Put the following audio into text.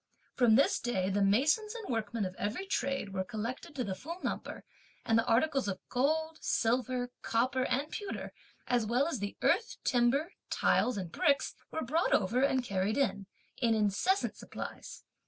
From this day the masons and workmen of every trade were collected to the full number; and the articles of gold, silver, copper, and pewter, as well as the earth, timber, tiles, and bricks, were brought over, and carried in, in incessant supplies.